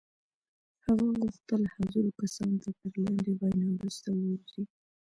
هغه غوښتل حاضرو کسانو ته تر لنډې وينا وروسته ووځي.